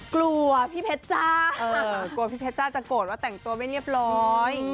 กลัวพี่เพชรจ้ากลัวพี่เพชรจ้าจะโกรธว่าแต่งตัวไม่เรียบร้อย